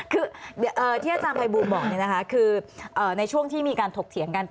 คือที่อาจารย์ภัยบูลบอกคือในช่วงที่มีการถกเถียงกัน